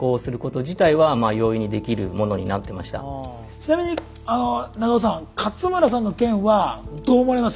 ちなみに長尾さん勝村さんの件はどう思われます？